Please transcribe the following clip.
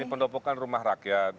ini pendopokan rumah rakyat